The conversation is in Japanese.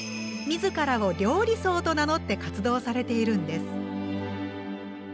自らを「料理僧」と名乗って活動されているんです。